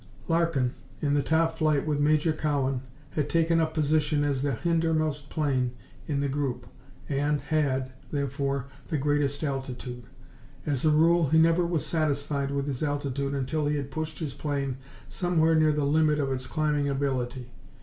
Larkin, in the top flight with Major Cowan, had taken up position as the hindermost plane in the group and had, therefore, the greatest altitude. As a rule, he never was satisfied with his altitude until he had pushed his plane somewhere near the limit of its climbing ability.